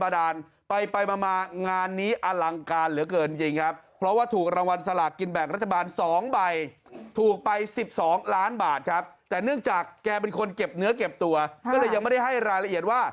แต่เนื่องจากแกเป็นคนเก็บเนื้อเก็บตัวก็เลยยังไม่ได้ให้รายละเอียดว่า